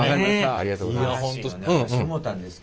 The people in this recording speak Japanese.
ありがとうございます。